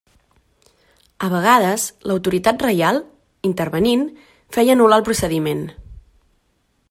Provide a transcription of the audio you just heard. A vegades l'autoritat reial, intervenint, feia anul·lar el procediment.